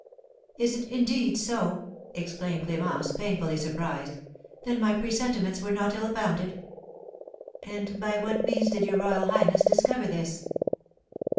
"Is it, indeed, so?" exclaimed Clémence, painfully surprised; "then my presentiments were not ill founded! And by what means did your royal highness discover this?"